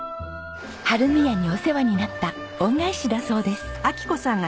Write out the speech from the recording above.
春見屋にお世話になった恩返しだそうです。